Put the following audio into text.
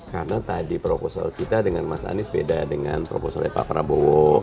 karena tadi proposal kita dengan mas anies beda dengan proposalnya pak prabowo